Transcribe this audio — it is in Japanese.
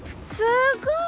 すごい。